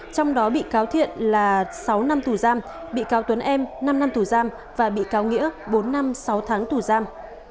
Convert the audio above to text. trong đó bị cáo thiện là sáu năm tù giam bị cáo tuấn em năm năm tù giam và bị cáo nghĩa bốn năm sáu tháng tù giam